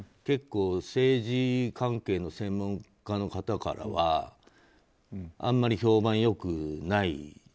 政治関係の専門家の方からはあんまり評判良くない。